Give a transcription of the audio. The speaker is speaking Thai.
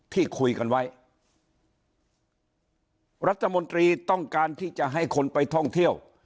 ที่คุยกันไว้รัฐมนตรีต้องการที่จะให้คนไปท่องเที่ยว